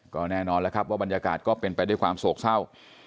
ก็แน่นอนแล้วครับว่าบรรยากาศก็เป็นไปด้วยความโศกเศร้า